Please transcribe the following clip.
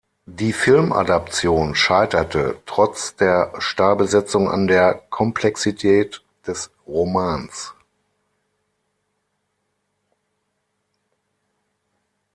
Die Filmadaption scheiterte trotz der Starbesetzung an der Komplexität des Romans.